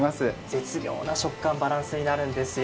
絶妙な食感バランスになるんですよ。